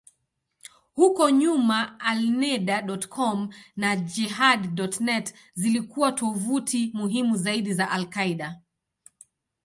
Huko nyuma, Alneda.com na Jehad.net zilikuwa tovuti muhimu zaidi za al-Qaeda.